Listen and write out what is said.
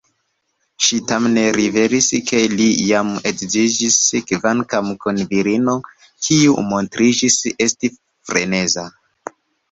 Ŝi tamen rivelis ke li jam edziĝis, kvankam kun virino kiu montriĝis esti freneza.